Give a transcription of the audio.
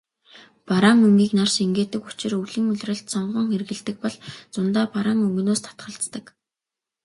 Бараан өнгийг нар шингээдэг учир өвлийн улиралд сонгон хэрэглэдэг бол зундаа бараан өнгөнөөс татгалздаг.